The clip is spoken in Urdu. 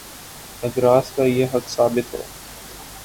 اگراس کا یہ حق ثابت ہے۔